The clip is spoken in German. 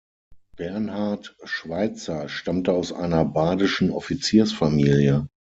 Bernhard Schweitzer stammte aus einer badischen Offiziersfamilie.